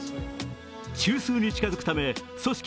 中枢に近づくため組織